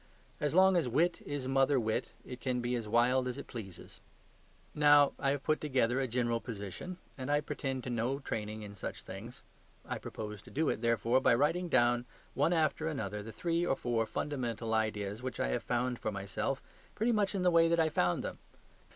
As long as wit is mother wit it can be as wild as it pleases. Now, I have to put together a general position, and I pretend to no training in such things. I propose to do it, therefore, by writing down one after another the three or four fundamental ideas which I have found for myself, pretty much in the way that I found them.